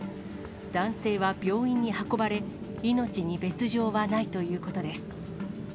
男性は病院に運ばれ、命に別状はないということです。